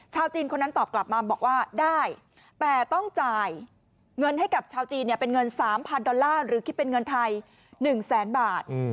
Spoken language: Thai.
ชาวจีนคนนั้นตอบกลับมาบอกว่าได้แต่ต้องจ่ายเงินให้กับชาวจีนเป็นเงิน๓๐๐ดอลลาร์หรือคิดเป็นเงินไทย๑แสนบาท